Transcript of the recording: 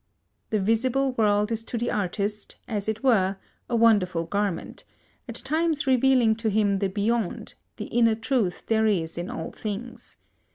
The visible world is to the artist, as it were, a wonderful garment, at times revealing to him the Beyond, the Inner Truth there is in all things.